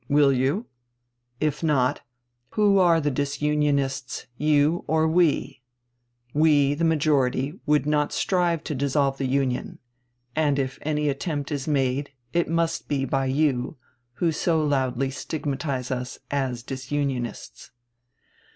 Will you? If not, who are the disunionists, you or we? We, the majority, would not strive to dissolve the Union; and if any attempt is made it must be by you, who so loudly stigmatize us as disunionists.